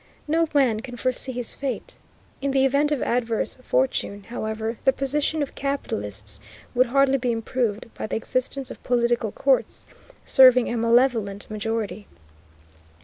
No man can foresee his fate. In the event of adverse fortune, however, the position of capitalists would hardly be improved by the existence of political courts serving a malevolent majority.